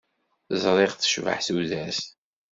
Ẓriɣ tecbeḥ tudert.